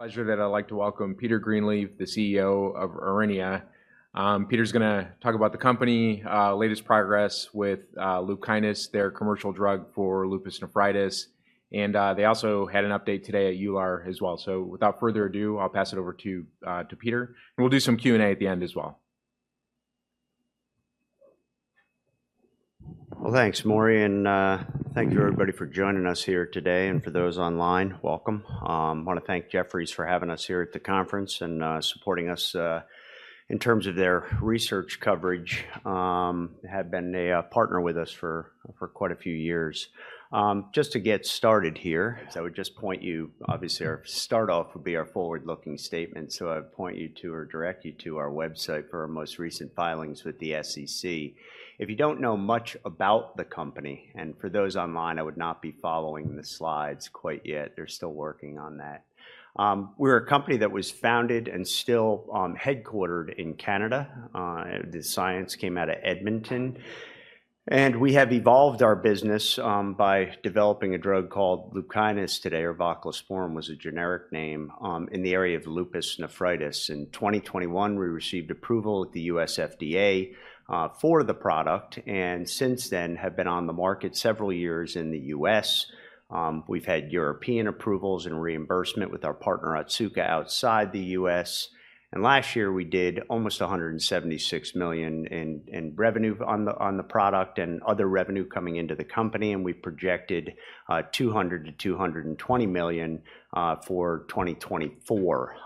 pleasure that I'd like to welcome Peter Greenleaf, the CEO of Aurinia. Peter's gonna talk about the company, latest progress with LUPKYNIS, their commercial drug for lupus nephritis. They also had an update today here as well. Without further ado, I'll pass it over to Peter, and we'll do some Q&A at the end as well. Well, thanks, Maury, and thank you, everybody, for joining us here today, and for those online, welcome. I wanna thank Jefferies for having us here at the conference and supporting us in terms of their research coverage. Have been a partner with us for quite a few years. Just to get started here, so I would just point you, obviously, our start off would be our forward-looking statement. So I'd point you to, or direct you to our website for our most recent filings with the SEC. If you don't know much about the company, and for those online, I would not be following the slides quite yet. They're still working on that. We're a company that was founded and still headquartered in Canada. The science came out of Edmonton, and we have evolved our business by developing a drug called LUPKYNIS today, or voclosporin was a generic name, in the area of lupus nephritis. In 2021, we received approval with the U.S. FDA for the product, and since then, have been on the market several years in the U.S. We have had European approvals and reimbursement with our partner, Otsuka, outside the U.S. Last year, we did almost $176 million in revenue on the product and other revenue coming into the company, and we projected $200 million-$220 million for 2024.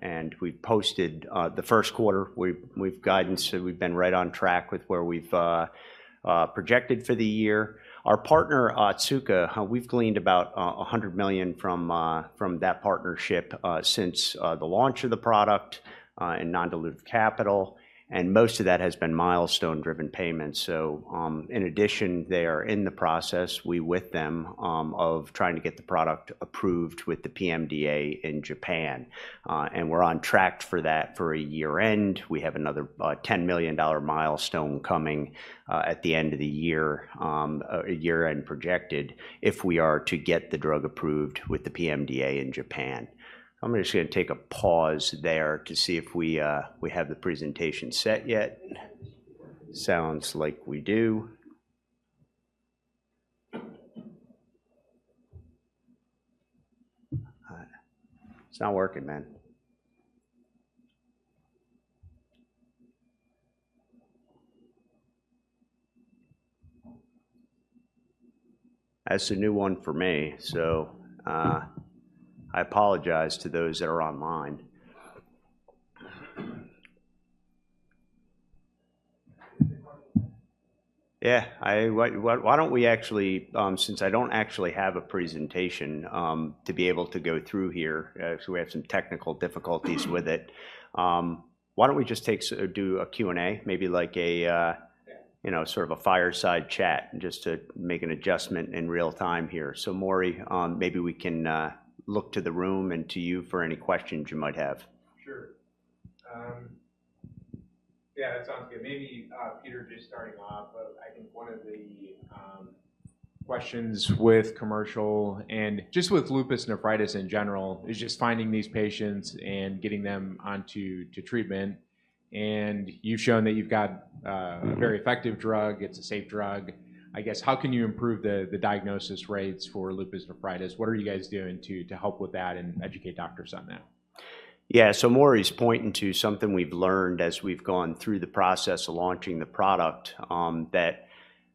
And we posted the first quarter. We have guidance, so we have been right on track with where we have projected for the year. Our partner, Otsuka, we've gleaned about $100 million from that partnership since the launch of the product in non-dilutive capital, and most of that has been milestone-driven payments. So, in addition, they are in the process, we with them, of trying to get the product approved with the PMDA in Japan, and we're on track for that for a year-end. We have another $10 million milestone coming at the end of the year, a year-end projected, if we are to get the drug approved with the PMDA in Japan. I'm just gonna take a pause there to see if we have the presentation set yet. Sounds like we do. It's not working, man. That's a new one for me, so I apologize to those that are online. Yeah, why don't we actually, since I don't actually have a presentation to be able to go through here, so we have some technical difficulties with it, why don't we just do a Q&A? Maybe like a, Yeah. You know, sort of a fireside chat, just to make an adjustment in real time here. So, Maury, maybe we can look to the room and to you for any questions you might have. Sure. Yeah, that sounds good. Maybe, Peter, just starting off, I think one of the questions with commercial and just with lupus nephritis in general, is just finding these patients and getting them onto to treatment. And you've shown that you've got, a very effective drug. It's a safe drug. I guess, how can you improve the, the diagnosis rates for lupus nephritis? What are you guys doing to, to help with that and educate doctors on that? Yeah. So Maury is pointing to something we've learned as we've gone through the process of launching the product, that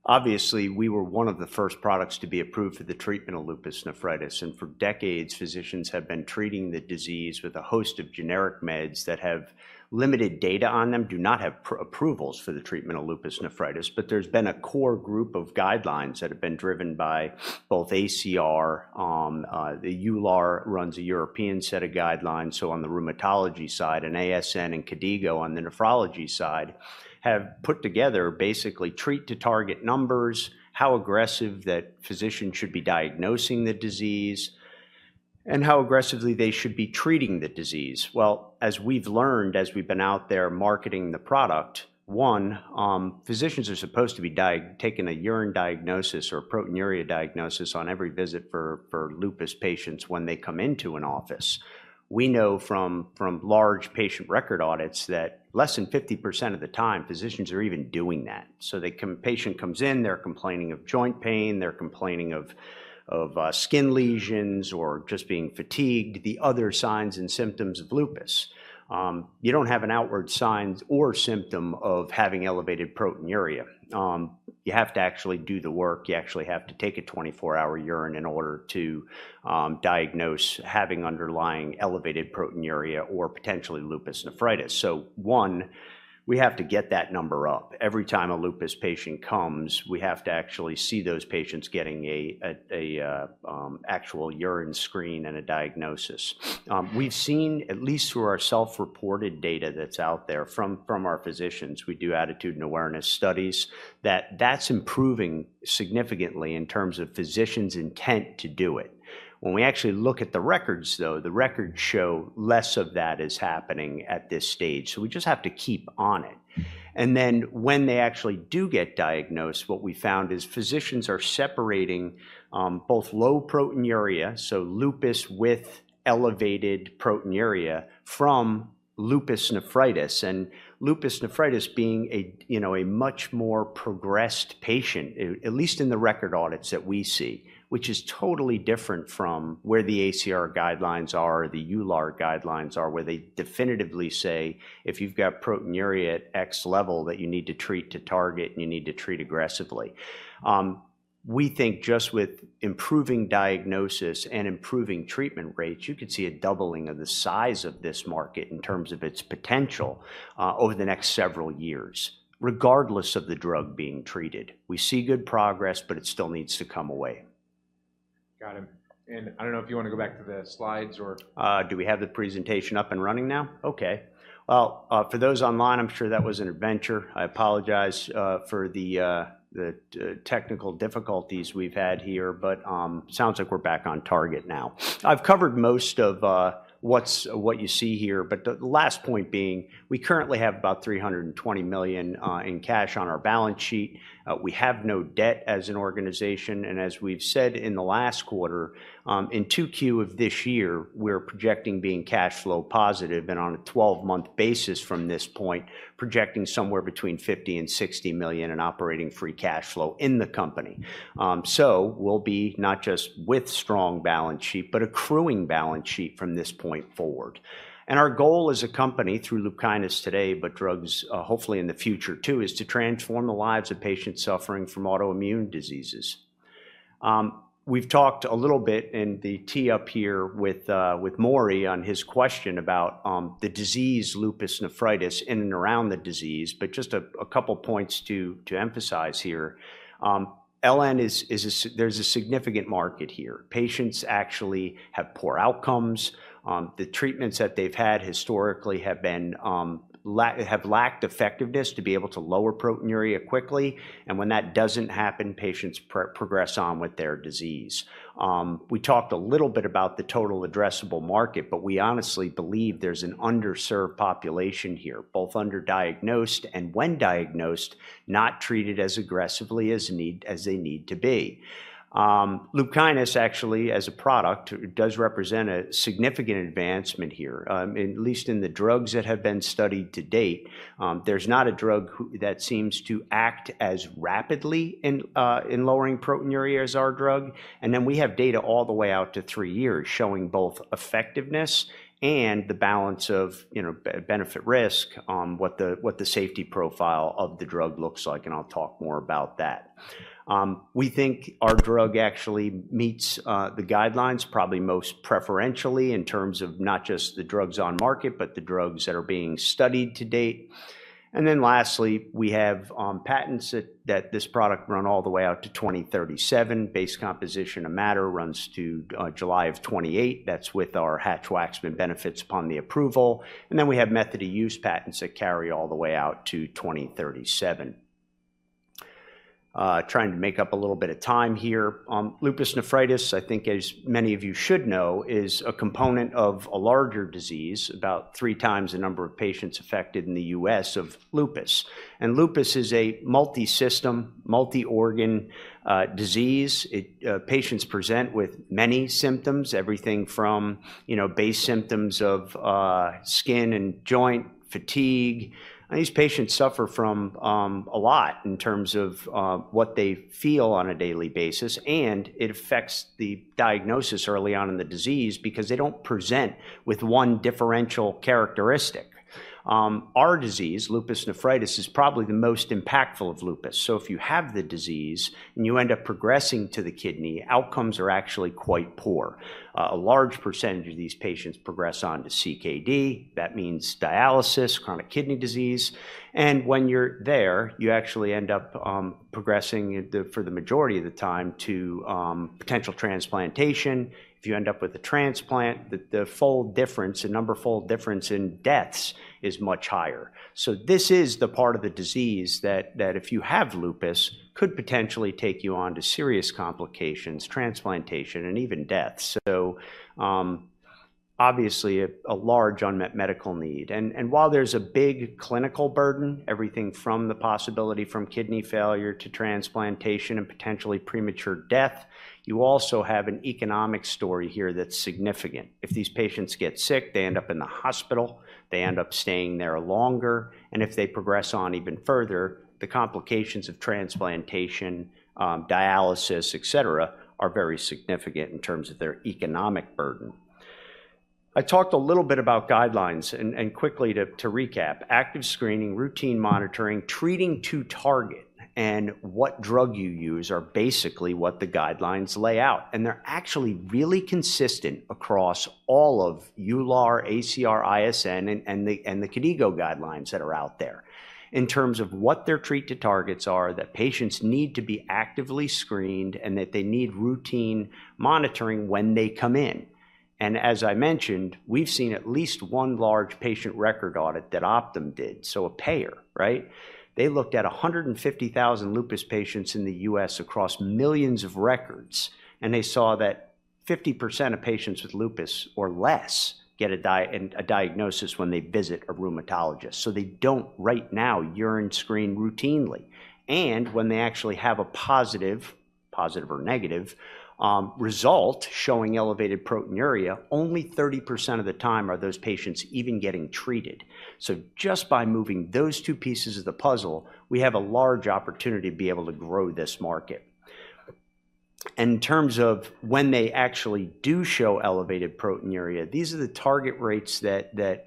obviously we were one of the first products to be approved for the treatment of lupus nephritis, and for decades, physicians have been treating the disease with a host of generic meds that have limited data on them, do not have approvals for the treatment of lupus nephritis. But there's been a core group of guidelines that have been driven by both ACR, the EULAR runs a European set of guidelines, so on the rheumatology side, and ASN and KDIGO on the nephrology side, have put together, basically, treat to target numbers, how aggressive that physician should be diagnosing the disease, and how aggressively they should be treating the disease. Well, as we've learned, as we've been out there marketing the product, one, physicians are supposed to be taking a urine diagnosis or proteinuria diagnosis on every visit for lupus patients when they come into an office. We know from large patient record audits that less than 50% of the time, physicians are even doing that. So the patient comes in, they're complaining of joint pain, they're complaining of skin lesions or just being fatigued, the other signs and symptoms of lupus. You don't have an outward sign or symptom of having elevated proteinuria. You have to actually do the work. You actually have to take a 24-hour urine in order to diagnose having underlying elevated proteinuria or potentially lupus nephritis. So one, we have to get that number up. Every time a lupus patient comes, we have to actually see those patients getting an actual urine screen and a diagnosis. We've seen, at least through our self-reported data that's out there from our physicians, we do attitude and awareness studies, that that's improving significantly in terms of physicians' intent to do it. When we actually look at the records, though, the records show less of that is happening at this stage, so we just have to keep on it. And then when they actually do get diagnosed, what we found is physicians are separating-... both low proteinuria, so lupus with elevated proteinuria from lupus nephritis, and lupus nephritis being a, you know, a much more progressed patient, at least in the record audits that we see, which is totally different from where the ACR guidelines are, the EULAR guidelines are, where they definitively say, "If you've got proteinuria at X level, that you need to treat to target, and you need to treat aggressively." We think just with improving diagnosis and improving treatment rates, you could see a doubling of the size of this market in terms of its potential, over the next several years, regardless of the drug being treated. We see good progress, but it still needs to come away. Got it. I don't know if you wanna go back to the slides or- Do we have the presentation up and running now? Okay. Well, for those online, I'm sure that was an adventure. I apologize for the technical difficulties we've had here, but sounds like we're back on target now. I've covered most of what you see here, but the last point being, we currently have about $320 million in cash on our balance sheet. We have no debt as an organization, and as we've said in the last quarter, in 2Q of this year, we're projecting being cash flow positive and on a 12-month basis from this point, projecting somewhere between $50 million and $60 million in operating free cash flow in the company. So we'll be not just with strong balance sheet, but accruing balance sheet from this point forward. Our goal as a company through LUPKYNIS today, but drugs, hopefully in the future too, is to transform the lives of patients suffering from autoimmune diseases. We've talked a little bit in the tee up here with Maury on his question about the disease, lupus nephritis, in and around the disease, but just a couple points to emphasize here. LN is. There's a significant market here. Patients actually have poor outcomes. The treatments that they've had historically have lacked effectiveness to be able to lower proteinuria quickly, and when that doesn't happen, patients progress on with their disease. We talked a little bit about the total addressable market, but we honestly believe there's an underserved population here, both underdiagnosed, and when diagnosed, not treated as aggressively as need, as they need to be. LUPKYNIS actually, as a product, does represent a significant advancement here. At least in the drugs that have been studied to date, there's not a drug that seems to act as rapidly in, in lowering proteinuria as our drug. And then we have data all the way out to three years, showing both effectiveness and the balance of, you know, benefit, risk, what the safety profile of the drug looks like, and I'll talk more about that. We think our drug actually meets the guidelines, probably most preferentially in terms of not just the drugs on market, but the drugs that are being studied to date. And then lastly, we have patents that this product run all the way out to 2037. Base composition of matter runs to July of 2028. That's with our Hatch-Waxman benefits upon the approval. And then we have method of use patents that carry all the way out to 2037. Trying to make up a little bit of time here. Lupus nephritis, I think as many of you should know, is a component of a larger disease, about three times the number of patients affected in the U.S. of lupus. And lupus is a multisystem, multi-organ disease. It, patients present with many symptoms, everything from, you know, base symptoms of, skin and joint fatigue. And these patients suffer from, a lot in terms of, what they feel on a daily basis, and it affects the diagnosis early on in the disease because they don't present with one differential characteristic. Our disease, lupus nephritis, is probably the most impactful of lupus. So if you have the disease, and you end up progressing to the kidney, outcomes are actually quite poor. A large percentage of these patients progress on to CKD. That means dialysis, chronic kidney disease, and when you're there, you actually end up, progressing the, for the majority of the time, to, potential transplantation. If you end up with a transplant, the, the fold difference, the number fold difference in deaths is much higher. So this is the part of the disease that if you have lupus, could potentially take you on to serious complications, transplantation, and even death. So, obviously, a large unmet medical need. And while there's a big clinical burden, everything from the possibility from kidney failure to transplantation and potentially premature death, you also have an economic story here that's significant. If these patients get sick, they end up in the hospital, they end up staying there longer, and if they progress on even further, the complications of transplantation, dialysis, et cetera, are very significant in terms of their economic burden. I talked a little bit about guidelines, and quickly to recap, active screening, routine monitoring, treating to target, and what drug you use are basically what the guidelines lay out. And they're actually really consistent across all of EULAR, ACR, ISN, and the KDIGO guidelines that are out there in terms of what their treat to targets are, that patients need to be actively screened, and that they need routine monitoring when they come in. And as I mentioned, we've seen at least one large patient record audit that Optum did. So a payer, right? They looked at 150,000 lupus patients in the U.S. across millions of records, and they saw that. Fifty percent of patients with lupus or less get a diagnosis when they visit a rheumatologist. So they don't right now urine screen routinely. And when they actually have a positive or negative result showing elevated proteinuria, only 30% of the time are those patients even getting treated. So just by moving those two pieces of the puzzle, we have a large opportunity to be able to grow this market. In terms of when they actually do show elevated proteinuria, these are the target rates that the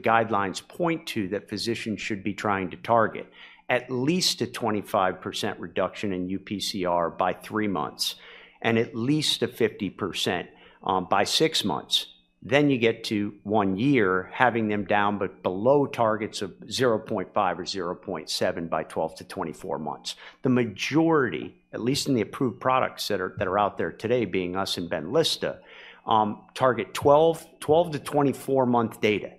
guidelines point to that physicians should be trying to target. At least a 25% reduction in UPCR by 3 months, and at least a 50% by 6 months. Then you get to 1 year, having them down, but below targets of 0.5 or 0.7 by 12-24 months. The majority, at least in the approved products that are out there today, being us and Benlysta, target 12-24-month data.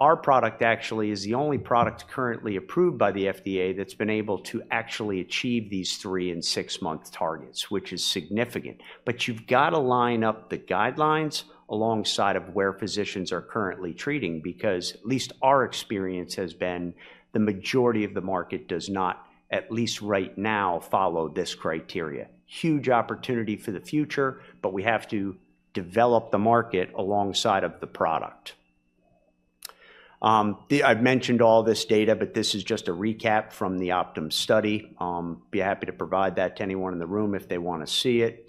Our product actually is the only product currently approved by the FDA that's been able to actually achieve these 3- and 6-month targets, which is significant. But you've got to line up the guidelines alongside of where physicians are currently treating, because at least our experience has been the majority of the market does not, at least right now, follow this criteria. Huge opportunity for the future, but we have to develop the market alongside of the product. I've mentioned all this data, but this is just a recap from the Optum study. Be happy to provide that to anyone in the room if they wanna see it.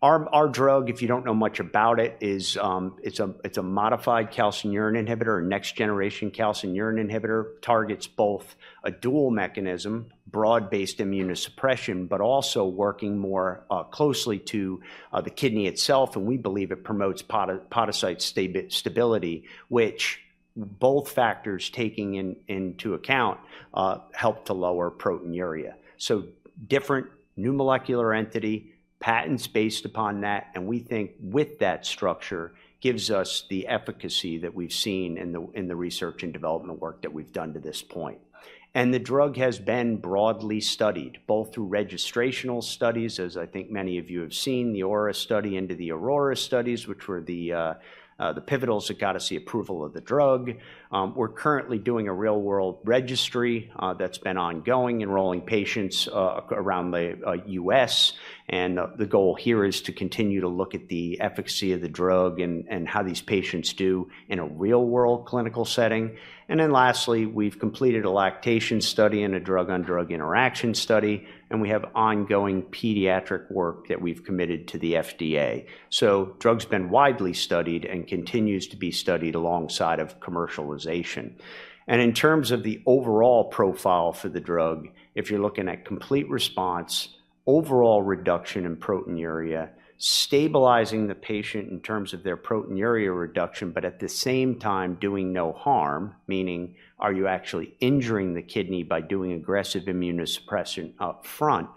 Our drug, if you don't know much about it, is a modified calcineurin inhibitor or next generation calcineurin inhibitor, targets both a dual mechanism, broad-based immunosuppression, but also working more closely to the kidney itself, and we believe it promotes podocyte stability, which both factors taking into account help to lower proteinuria. So different new molecular entity, patents based upon that, and we think with that structure, gives us the efficacy that we've seen in the research and development work that we've done to this point. And the drug has been broadly studied, both through registrational studies, as I think many of you have seen, the AURA study into the AURORA studies, which were the pivotals that got us the approval of the drug. We're currently doing a real-world registry that's been ongoing, enrolling patients around the U.S., and the goal here is to continue to look at the efficacy of the drug and how these patients do in a real-world clinical setting. And then lastly, we've completed a lactation study and a drug-on-drug interaction study, and we have ongoing pediatric work that we've committed to the FDA. So drug's been widely studied and continues to be studied alongside of commercialization. And in terms of the overall profile for the drug, if you're looking at complete response, overall reduction in proteinuria, stabilizing the patient in terms of their proteinuria reduction, but at the same time doing no harm, meaning are you actually injuring the kidney by doing aggressive immunosuppression up front?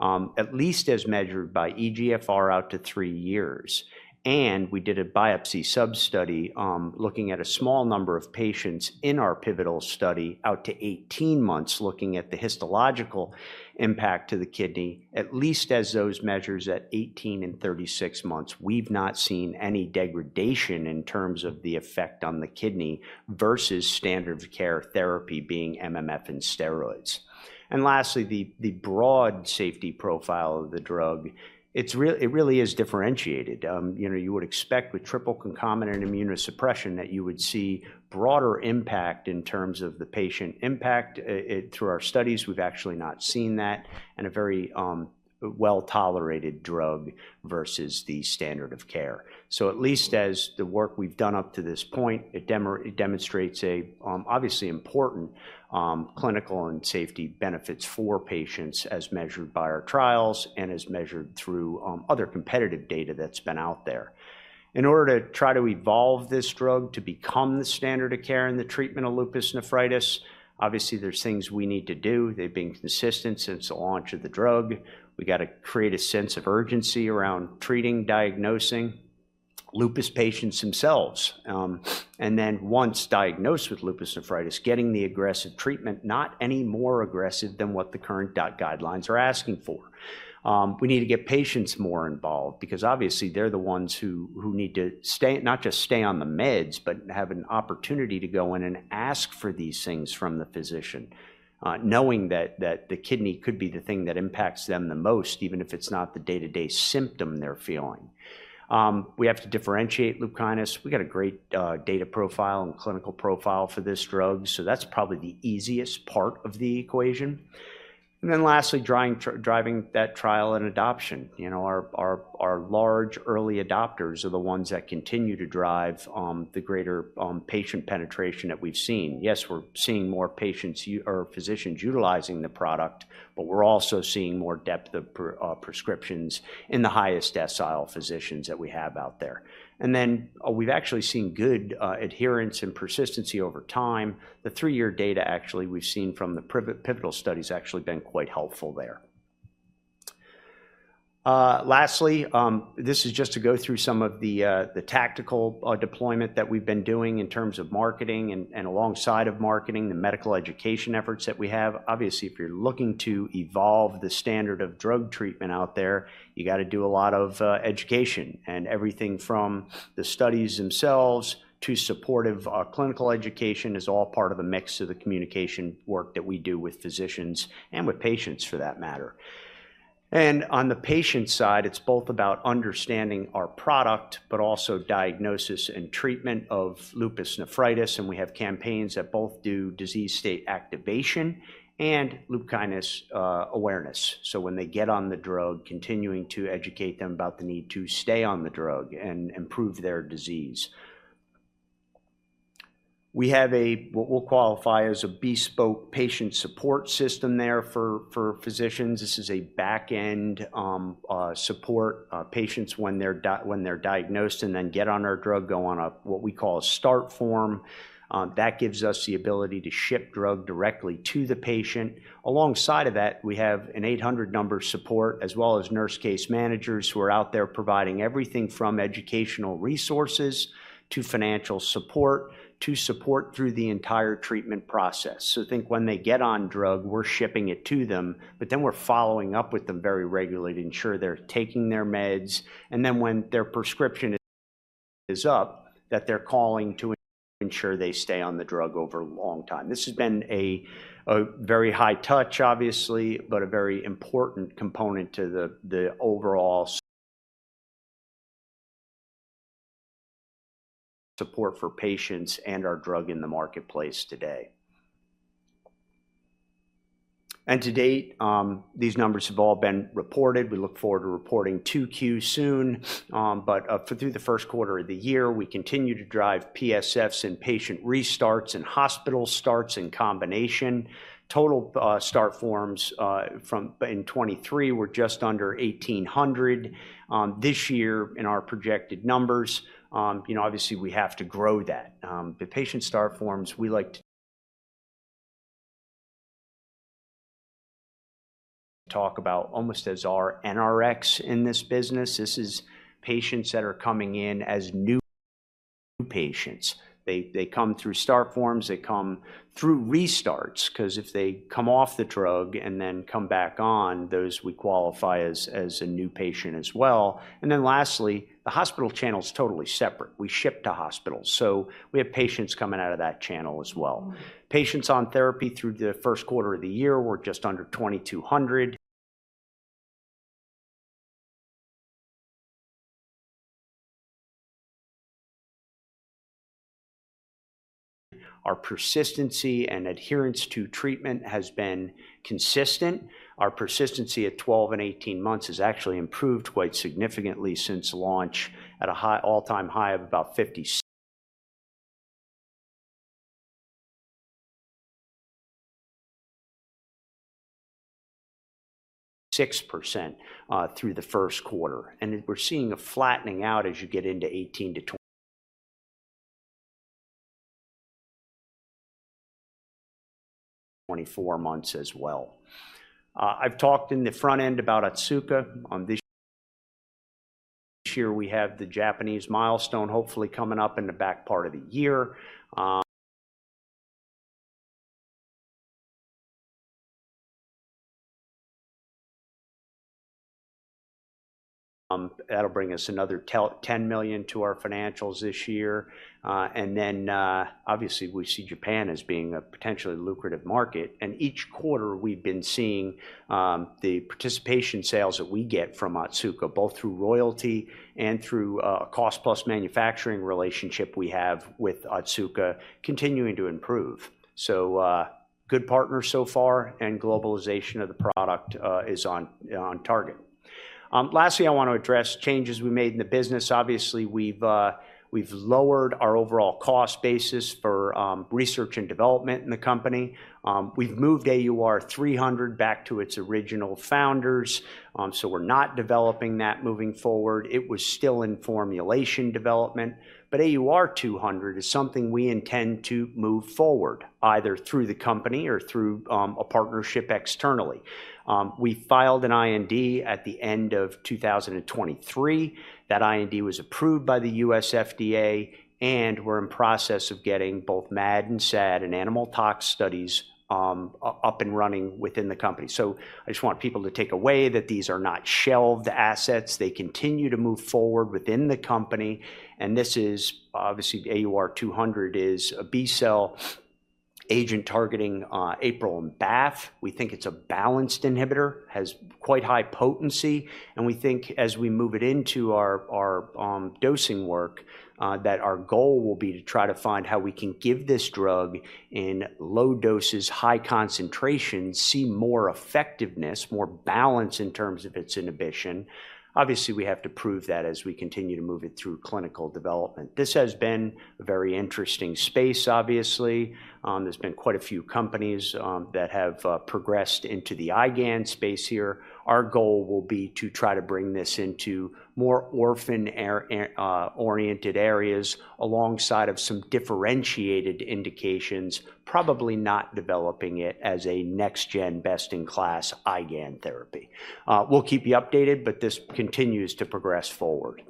At least as measured by eGFR out to 3 years, and we did a biopsy sub-study, looking at a small number of patients in our pivotal study out to 18 months, looking at the histological impact to the kidney, at least as those measures at 18 and 36 months, we've not seen any degradation in terms of the effect on the kidney versus standard of care therapy being MMF and steroids. And lastly, the, the broad safety profile of the drug. It's real. It really is differentiated. You know, you would expect with triple concomitant immunosuppression that you would see broader impact in terms of the patient impact. Through our studies, we've actually not seen that, and a very well-tolerated drug versus the standard of care. So at least as the work we've done up to this point, it demonstrates a obviously important clinical and safety benefits for patients as measured by our trials and as measured through other competitive data that's been out there. In order to try to evolve this drug to become the standard of care in the treatment of lupus nephritis, obviously, there's things we need to do. They've been consistent since the launch of the drug. We got to create a sense of urgency around treating, diagnosing lupus patients themselves. And then once diagnosed with lupus nephritis, getting the aggressive treatment, not any more aggressive than what the current KDIGO guidelines are asking for. We need to get patients more involved because obviously, they're the ones who need to stay... not just stay on the meds, but have an opportunity to go in and ask for these things from the physician, knowing that the kidney could be the thing that impacts them the most, even if it's not the day-to-day symptom they're feeling. We have to differentiate lupus. We got a great data profile and clinical profile for this drug, so that's probably the easiest part of the equation. And then lastly, driving that trial and adoption. You know, our large early adopters are the ones that continue to drive the greater patient penetration that we've seen. Yes, we're seeing more patients or physicians utilizing the product, but we're also seeing more depth of prescriptions in the highest decile physicians that we have out there. And then, we've actually seen good adherence and persistency over time. The three-year data, actually, we've seen from the pivotal study, has actually been quite helpful there. Lastly, this is just to go through some of the tactical deployment that we've been doing in terms of marketing and, alongside of marketing, the medical education efforts that we have. Obviously, if you're looking to evolve the standard of drug treatment out there, you gotta do a lot of education. And everything from the studies themselves to supportive clinical education is all part of a mix of the communication work that we do with physicians and with patients, for that matter. On the patient side, it's both about understanding our product, but also diagnosis and treatment of lupus nephritis, and we have campaigns that both do disease state activation and LUPKYNIS awareness. So when they get on the drug, continuing to educate them about the need to stay on the drug and improve their disease. We have what we'll qualify as a bespoke patient support system there for physicians. This is a back-end support for patients when they're diagnosed, and then get on our drug, go on what we call a start form. That gives us the ability to ship drug directly to the patient. Alongside of that, we have an 800 number support, as well as nurse case managers who are out there providing everything from educational resources to financial support to support through the entire treatment process. So think when they get on drug, we're shipping it to them, but then we're following up with them very regularly to ensure they're taking their meds, and then when their prescription is up, that they're calling to ensure they stay on the drug over a long time. This has been a very high touch, obviously, but a very important component to the overall support for patients and our drug in the marketplace today. To date, these numbers have all been reported. We look forward to reporting 2Q soon. But through the first quarter of the year, we continue to drive PSFs and patient restarts and hospital starts in combination. Total start forms in 2023 were just under 1,800. This year, in our projected numbers, you know, obviously, we have to grow that. The patient start forms, we like to talk about almost as our NRx in this business. This is patients that are coming in as new patients. They come through start forms, they come through restarts, 'cause if they come off the drug and then come back on, those we qualify as a new patient as well. And then lastly, the hospital channel is totally separate. We ship to hospitals, so we have patients coming out of that channel as well. Patients on therapy through the first quarter of the year were just under 2,200. Our persistency and adherence to treatment has been consistent. Our persistency at 12 and 18 months has actually improved quite significantly since launch at a high, all-time high of about 56% through the first quarter. We're seeing a flattening out as you get into 18-24 months as well. I've talked in the front end about Otsuka. This year we have the Japanese milestone, hopefully coming up in the back part of the year. That'll bring us another $10 million to our financials this year. And then, obviously, we see Japan as being a potentially lucrative market, and each quarter we've been seeing the participation sales that we get from Otsuka, both through royalty and through a cost-plus manufacturing relationship we have with Otsuka, continuing to improve. So, good partner so far, and globalization of the product is on target. Lastly, I want to address changes we made in the business. Obviously, we've lowered our overall cost basis for research and development in the company. We've moved AUR300 back to its original founders, so we're not developing that moving forward. It was still in formulation development, but AUR200 is something we intend to move forward, either through the company or through a partnership externally. We filed an IND at the end of 2023. That IND was approved by the U.S. FDA, and we're in process of getting both MAD and SAD and animal tox studies up and running within the company. So I just want people to take away that these are not shelved assets. They continue to move forward within the company, and this is... Obviously, AUR200 is a B-cell agent targeting APRIL and BAFF. We think it's a balanced inhibitor, has quite high potency, and we think as we move it into our dosing work that our goal will be to try to find how we can give this drug in low doses, high concentrations, see more effectiveness, more balance in terms of its inhibition. Obviously, we have to prove that as we continue to move it through clinical development. This has been a very interesting space, obviously. There's been quite a few companies that have progressed into the IgAN space here. Our goal will be to try to bring this into more orphan, rare-oriented areas alongside of some differentiated indications, probably not developing it as a next-gen, best-in-class IgAN therapy. We'll keep you updated, but this continues to progress forward.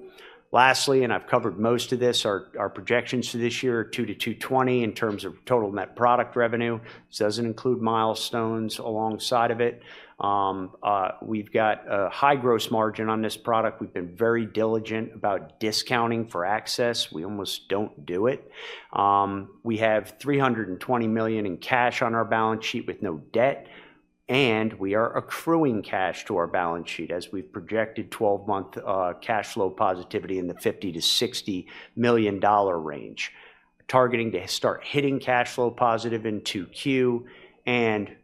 Lastly, I've covered most of this, our projections for this year, $200-$220 in terms of total net product revenue. This doesn't include milestones alongside of it. We've got a high gross margin on this product. We've been very diligent about discounting for access. We almost don't do it. We have $320 million in cash on our balance sheet with no debt. We are accruing cash to our balance sheet as we've projected 12-month cash flow positivity in the $50-$60 million range. Targeting to start hitting cash flow positive in 2Q, and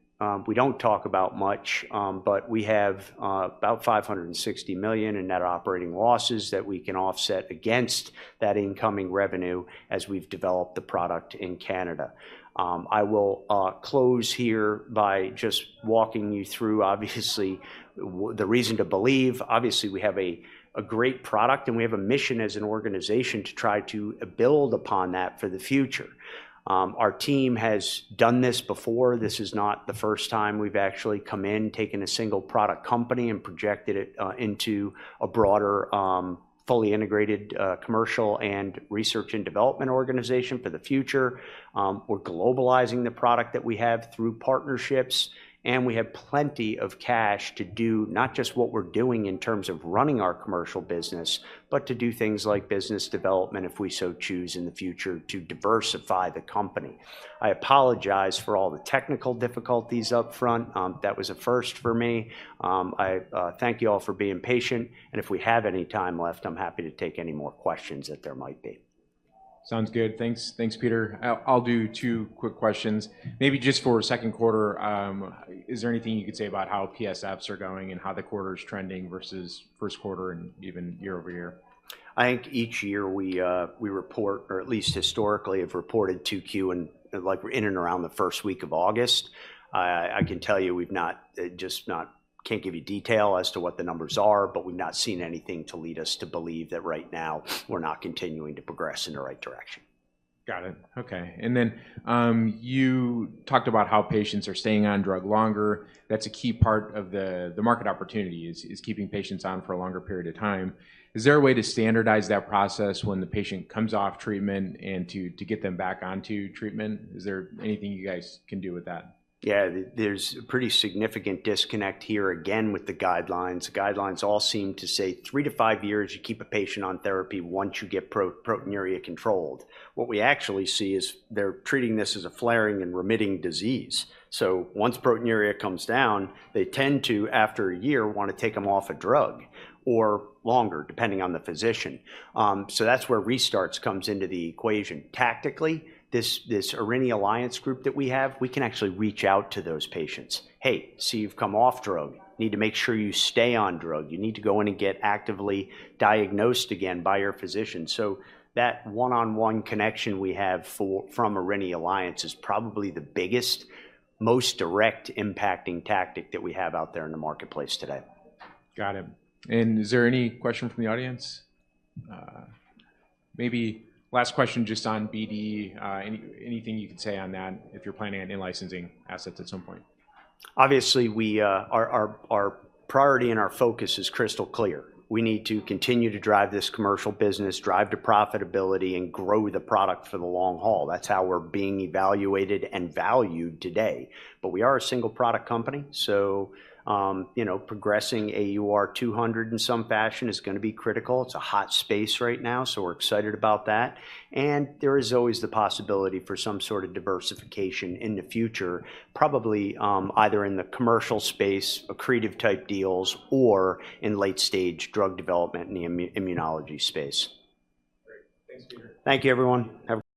we don't talk about much, but we have about $560 million in net operating losses that we can offset against that incoming revenue as we've developed the product in Canada. I will close here by just walking you through, obviously, the reason to believe. Obviously, we have a great product, and we have a mission as an organization to try to build upon that for the future. Our team has done this before. This is not the first time we've actually come in, taken a single-product company and projected it into a broader, fully integrated, commercial and research and development organization for the future. We're globalizing the product that we have through partnerships, and we have plenty of cash to do not just what we're doing in terms of running our commercial business, but to do things like business development if we so choose in the future to diversify the company. I apologize for all the technical difficulties up front. That was a first for me. I thank you all for being patient, and if we have any time left, I'm happy to take any more questions that there might be. Sounds good. Thanks. Thanks, Peter. I'll, I'll do two quick questions. Maybe just for second quarter, is there anything you could say about how PSFs are going and how the quarter's trending versus first quarter and even year-over-year? I think each year we report, or at least historically, have reported 2Q in, like, in and around the first week of August. I can tell you we can't give you detail as to what the numbers are, but we've not seen anything to lead us to believe that right now, we're not continuing to progress in the right direction. Got it. Okay. And then, you talked about how patients are staying on drug longer. That's a key part of the, the market opportunity is, is keeping patients on for a longer period of time. Is there a way to standardize that process when the patient comes off treatment and to, to get them back onto treatment? Is there anything you guys can do with that? Yeah. There's a pretty significant disconnect here again with the guidelines. The guidelines all seem to say 3-5 years, you keep a patient on therapy once you get proteinuria controlled. What we actually see is they're treating this as a flaring and remitting disease. So once proteinuria comes down, they tend to, after a year, want to take them off a drug or longer, depending on the physician. So that's where restarts comes into the equation. Tactically, this, this Aurinia Alliance group that we have, we can actually reach out to those patients. "Hey, so you've come off drug. You need to make sure you stay on drug. You need to go in and get actively diagnosed again by your physician." So that one-on-one connection we have from Aurinia Alliance is probably the biggest, most direct impacting tactic that we have out there in the marketplace today. Got it. Is there any question from the audience? Maybe last question just on BD. Anything you could say on that, if you're planning on in-licensing assets at some point? Obviously, our priority and our focus is crystal clear. We need to continue to drive this commercial business, drive to profitability, and grow the product for the long haul. That's how we're being evaluated and valued today. But we are a single-product company, so, you know, progressing AUR200 in some fashion is gonna be critical. It's a hot space right now, so we're excited about that. And there is always the possibility for some sort of diversification in the future, probably, either in the commercial space, accretive-type deals, or in late-stage drug development in the immunology space. Great. Thanks, Peter. Thank you, everyone. Have a good day.